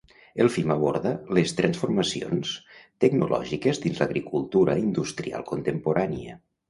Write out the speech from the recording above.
El film aborda les transformacions tecnològiques dins l’agricultura industrial contemporània.